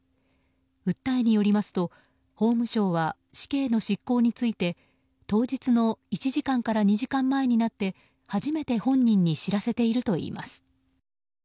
訴えによりますと法務省は死刑の執行について当日の１時間から２時間前になって初めて本人に知らせているといいます。